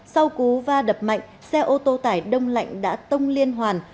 sau cú va đập mạnh xe ô tô tải đông lạnh đã tông liên hoàn